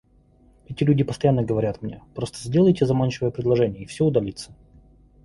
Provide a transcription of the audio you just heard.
Эти люди постоянно говорят мне: «Просто сделайте заманчивое предложение, и все удалится».